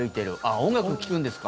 音楽聴くんですか？